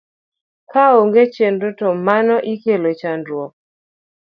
Kaonge chenro to mano ikelo chandruok